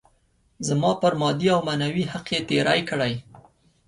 زما پر مادي او معنوي حق يې تېری کړی.